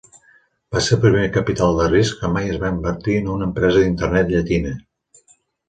Va ser el primer capital de risc que mai es va invertir en una empresa d'Internet llatina.